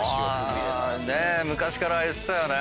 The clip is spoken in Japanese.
昔から言ってたよね。